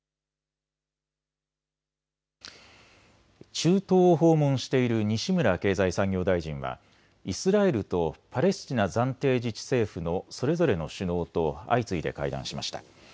中東を訪問している西村経済産業大臣はイスラエルとパレスチナ暫定自治政府のそれぞれの首脳と相次いで会談しました。